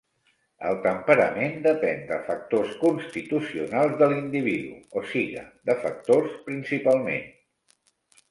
El temperament depèn de factors constitucionals de l'individu, o siga de factors principalment: